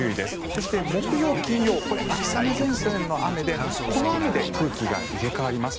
そして木曜、金曜これは秋雨前線の雨でこの雨で空気が入れ替わります。